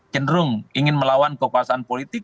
cenderung ingin melawan kekuasaan politik